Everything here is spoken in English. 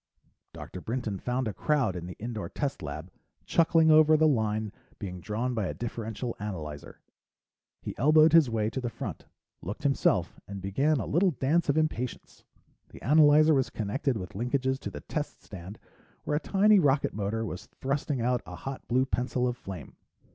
Dr. Brinton found a crowd in the indoor test lab, chuckling over the line being drawn by a differential analyzer. He elbowed his way to the front, looked himself, and began a little dance of impatience. The analyzer was connected with linkages to the test stand where a tiny rocket motor was thrusting out a hot blue pencil of flame.